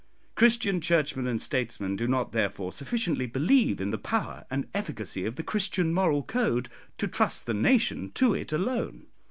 Christian Churchmen and statesmen do not therefore sufficiently believe in the power and efficacy of the Christian moral code to trust the nation to it alone.